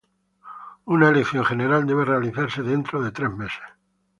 Una elección general debe realizarse dentro de tres meses.